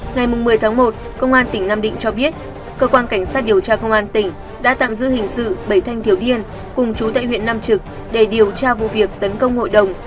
ngày một mươi tháng một công an tỉnh nam định cho biết cơ quan cảnh sát điều tra công an tỉnh đã tạm giữ hình sự bảy thanh thiếu niên cùng chú tại huyện nam trực để điều tra vụ việc tấn công hội đồng